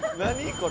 これ」